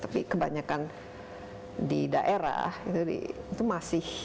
tapi kebanyakan di daerah itu masih